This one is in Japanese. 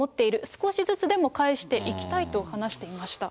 少しずつでも返していきたいと話していました。